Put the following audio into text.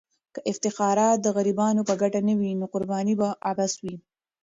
که افتخارات د غریبانو په ګټه نه وي، نو قرباني به عبث وي.